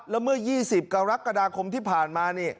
แล้วเมื่อ๒๐กรกฎาคมที่ผ่านมานี่